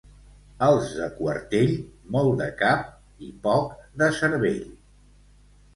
Els de Quartell, molt de cap i poc de cervell.